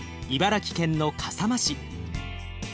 茨城県の笠間市。